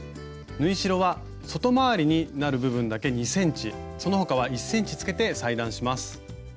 縫い代は外回りになる部分だけ２ｃｍその他は１ｃｍつけて裁断します。